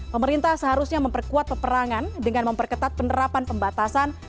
pemerintah seharusnya memperkuat peperangan dengan memperketat penerapan pembatasan